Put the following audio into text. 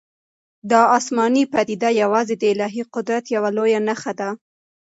دا آسماني پدیده یوازې د الهي قدرت یوه لویه نښه ده.